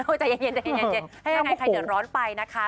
โอ้โฮใจเย็นให้ยังไงใครเดือดร้อนไปนะคะ